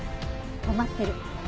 止まってる。